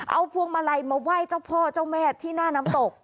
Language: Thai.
เอาพวงมาลัยมาไหว้เจ้าพ่อเจ้าแม่ที่หน้าน้ำตก